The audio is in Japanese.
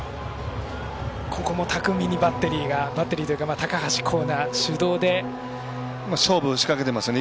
ここも巧みにバッテリーというか勝負を仕掛けていますね。